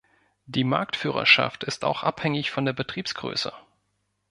Die Marktführerschaft ist auch abhängig von der Betriebsgröße.